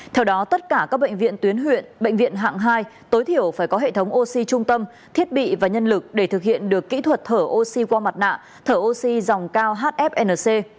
theo đó tất cả các bệnh viện tuyến huyện bệnh viện hạng hai tối thiểu phải có hệ thống oxy trung tâm thiết bị và nhân lực để thực hiện được kỹ thuật thở oxy qua mặt nạ thở oxy dòng cao hfnc